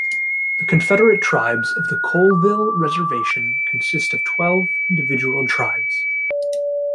The Confederate Tribes of the Colville Reservation consist of twelve individual tribes.